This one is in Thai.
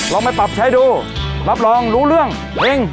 ลองไปปรับใช้ดูรับรองรู้เรื่องเองต้องรวย